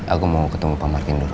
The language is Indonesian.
aku mau ketemu pak martin dulu